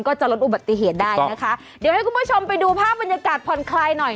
ก็จะลดอุบัติเหตุได้นะคะเดี๋ยวให้คุณผู้ชมไปดูภาพบรรยากาศผ่อนคลายหน่อย